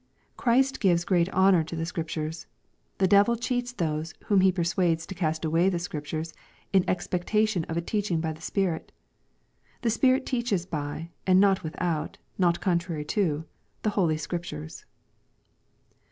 Christ gives great honor to the Scriptures. The devil cheats those whom he persuades to cast away the Scriptures in expectation of a teaching by the Spirit The Spirit teaches by, not without, not contrary to, the Holy Scriptures."